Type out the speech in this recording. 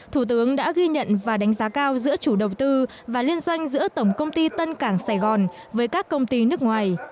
thủ tướng đã ghi nhận và đánh giá cao giữa chủ đầu tư và liên doanh giữa tổng công ty tân cảng sài gòn với các công ty nước ngoài